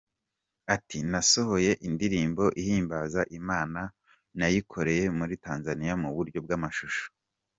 Ati “Nasohoye indirimbo ihimbaza Imana, nayikoreye muri Tanzania mu buryo bw’amashusho.